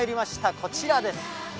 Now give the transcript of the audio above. こちらです。